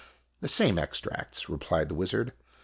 " The same extracts," replied the wizard.